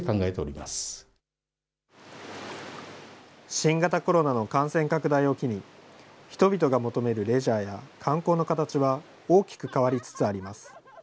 新型コロナの感染拡大を機に、人々が求めるレジャーや観光の形は大きく変わりつつあります。